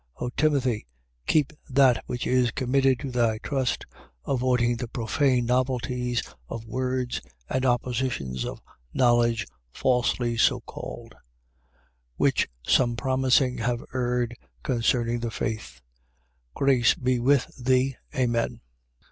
6:20. O Timothy, keep that which is committed to thy trust, avoiding the profane novelties of words and oppositions of knowledge falsely so called. 6:21. Which some promising, have erred concerning the faith. Grace be with thee. Amen.